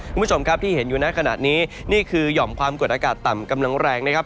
คุณผู้ชมครับที่เห็นอยู่ในขณะนี้นี่คือหย่อมความกดอากาศต่ำกำลังแรงนะครับ